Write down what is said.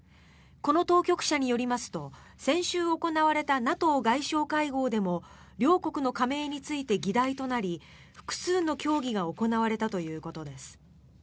この当局者によりますと先週行われたＮＡＴＯ外相会合でも両国の加盟について議題となり複数の協議が行われたということです。